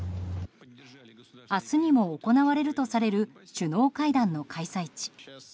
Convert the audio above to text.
明日にも行われるとされる首脳会談の開催地。